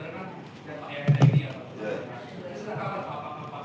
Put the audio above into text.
dan itu kan pak yaya jaini ya pak